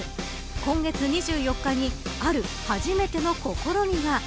今月２４日にある初めての試みが。